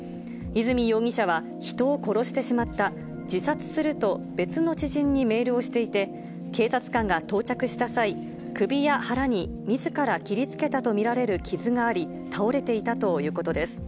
泉容疑者は、人を殺してしまった、自殺すると、別の知人にメールをしていて、警察官が到着した際、首や腹にみずから切りつけたと見られる傷があり、倒れていたということです。